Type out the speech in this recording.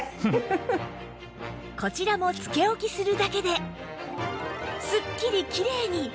こちらもつけ置きするだけですっきりきれいに